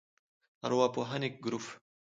ارواپوهنې ګروپ